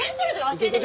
忘れて。